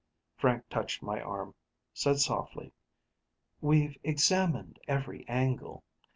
Frank touched my arm, said softly, "We've examined every angle.